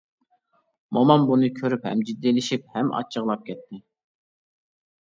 مومام بۇنى كۆرۈپ ھەم جىددىيلىشىپ ھەم ئاچچىقلاپ كەتتى.